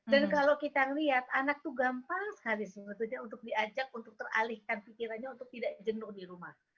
dan kalau kita lihat anak itu gampang sekali sebetulnya untuk diajak untuk teralihkan pikirannya untuk tidak jenuh di rumah